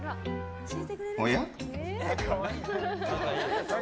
おや？